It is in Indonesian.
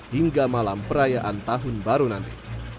hingga malam perayaan tahun baru nanti